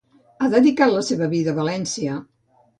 Ha dedicat la seva vida a València